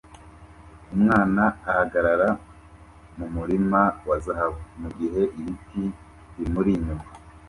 Umwana ahagarara mumurima wa zahabu mugihe ibiti bimuri inyuma